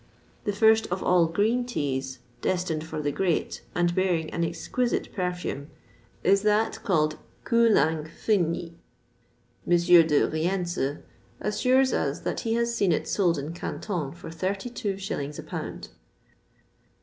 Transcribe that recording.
The first of all green teas, destined for the great, and bearing an exquisite perfume, is that called Koo lang fyn i. M. de Rienzi assures us that he has seen it sold in Canton for 32s. a pound.